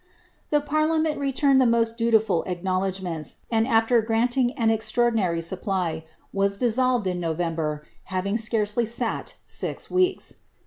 The parliament returned the most dutiful acknowledgments, and afier granting an extraordinary supply, was dissolved in November, having scarcely sat six weeks.